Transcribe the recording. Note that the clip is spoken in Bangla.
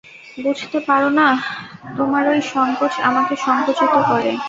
বুঝতে পার না, তোমারই সংকোচ আমাকে সংকুচিত করে।